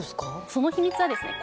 その秘密はですね